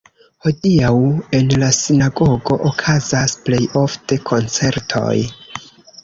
Hodiaŭ en la sinagogo okazas plej ofte koncertoj.